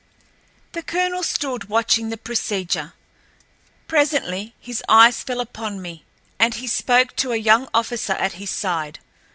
The colonel stood watching the procedure. Presently his eyes fell upon me, and he spoke to a young officer at his side.